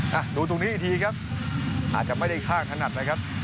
หนูตรงนี้ให้ดูอีกทีครับอาจจะไม่ได้ข้างถนัดเลยครับ